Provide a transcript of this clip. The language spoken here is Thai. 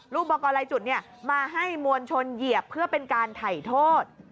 อุปกรณ์ลายจุดมาให้มวลชนเหยียบเพื่อเป็นการถ่ายโทษ